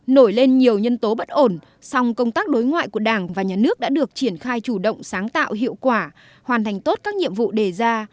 nổi lên nhiều nhân tố bất ổn song công tác đối ngoại của đảng và nhà nước đã được triển khai chủ động sáng tạo hiệu quả hoàn thành tốt các nhiệm vụ đề ra